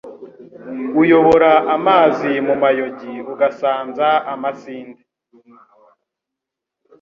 uyobora amazi mu mayogi ugasanza amasinde